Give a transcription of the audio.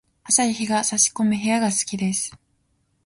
朝日が差し込む部屋が好きです。